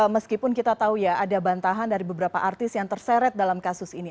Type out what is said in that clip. meskipun kita tahu ya ada bantahan dari beberapa artis yang terseret dalam kasus ini